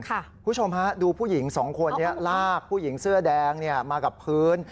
คุณผู้ชมฮะดูผู้หญิงสองคนนี้ลากผู้หญิงเสื้อแดงมากับพื้น